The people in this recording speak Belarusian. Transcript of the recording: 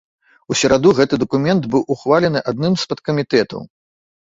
У сераду гэты дакумент быў ухвалены адным з падкамітэтаў.